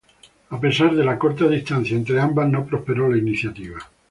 A pesar de la corta distancia entre ambas no prosperó la iniciativa.